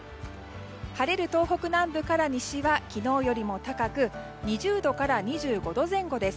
晴れる東北南部から西は昨日よりも高く２０度から２５度前後です。